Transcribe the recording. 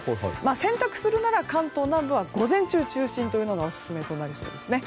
洗濯するなら関東南部は午前中中心というのがオススメとなりそうですね。